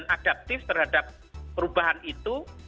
kita harus adaptif terhadap perubahan itu